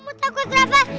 kamu takut kenapa